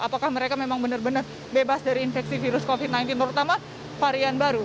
apakah mereka memang benar benar bebas dari infeksi virus covid sembilan belas terutama varian baru